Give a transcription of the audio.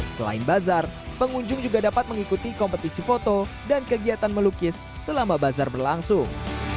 selain bazar pengunjung juga dapat mengikuti kompetisi foto dan kegiatan melukis selama bazar berlangsung